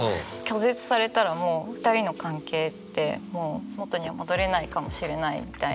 拒絶されたらもう２人の関係ってもう元には戻れないかもしれないみたいな。